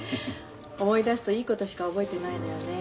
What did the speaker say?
思い出すといいことしか覚えてないのよね。